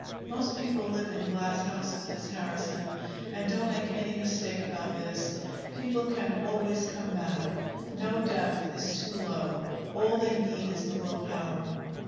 Most people live in glass houses, Miss Harrison. And don't make any mistake about this: people can always come back. No depth is too low. All they need is the willpower."